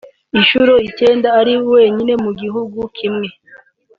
inshuro icyenda ari wenyine mu gihugu kimwe